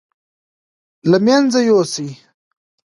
له مېنځه يوسي.